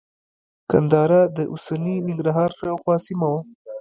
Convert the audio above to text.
ګندهارا د اوسني ننګرهار شاوخوا سیمه وه